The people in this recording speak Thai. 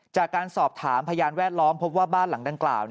จากการสอบถามพยานแวดล้อมพบว่าบ้านหลังดังกล่าว